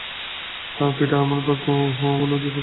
পিট আর আমার ভাগ্যও ওগুলো দিয়ে পড়ে দেখেছি আমি।